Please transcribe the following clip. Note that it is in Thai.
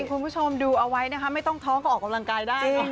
คุณผู้ชมดูเอาไว้นะคะไม่ต้องท้องก็ออกกำลังกายได้